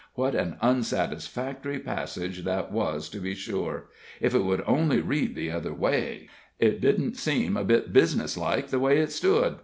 What an unsatisfactory passage that was, to be sure! If it would only read the other way it didn't seem a bit business like the way it stood.